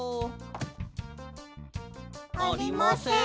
ありません。